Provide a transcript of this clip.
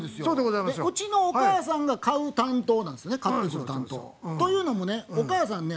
うちのお母さんが買う担当なんですよね買ってくる担当。というのもねお母さんね